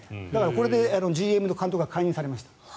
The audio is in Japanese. これでＧＭと監督が解任されました。